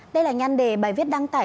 đây là nhăn đề bài viết đăng tải